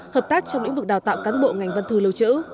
hợp tác trong lĩnh vực đào tạo cán bộ ngành văn thư lưu trữ